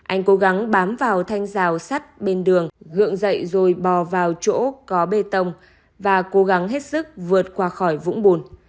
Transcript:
anh cố gắng bám vào thanh rào sắt bên đường gượng dậy rồi bò vào chỗ có bê tông và cố gắng hết sức vượt qua khỏi vũng bùn